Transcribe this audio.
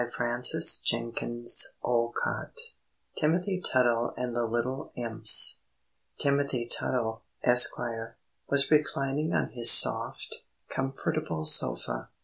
Catherine Sinclair (Adapted) TIMOTHY TUTTLE AND THE LITTLE IMPS Timothy Tuttle, Esquire, was reclining on his soft, comfortable sofa.